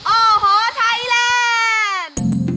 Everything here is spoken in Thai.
โอ้โหไทยแลนด์